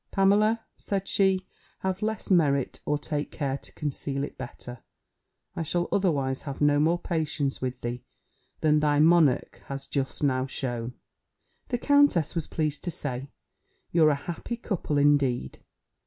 Pamela," said she, "have less merit, or take care to conceal it better: I shall otherwise have no more patience with thee, than thy monarch has just now shewn." The countess was pleased to say, "You're a happy couple indeed!"